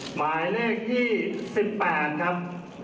หมายเลขที่๑๘ครับ